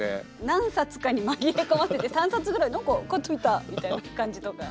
何冊かに紛れ込ませて３冊ぐらいなんか買ってみたみたいな感じとか。